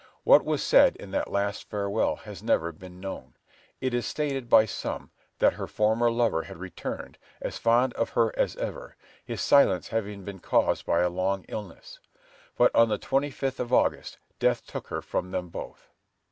What was said in that last farewell has never been known. It is stated by some that her former lover had returned, as fond of her as ever, his silence having been caused by a long illness. But on the twenty fifth of August, death took her from them both.